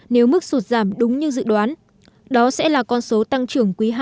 nếu mức sụt giảm đúng như dự đoán đó sẽ là con số tăng trưởng quý hai